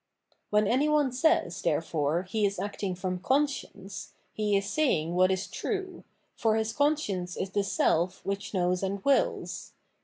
When any one says, therefore, he is acting from conscience, beds saying what is true, for his conscience is the self which knows and wills.